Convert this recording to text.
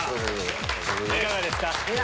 いかがですか？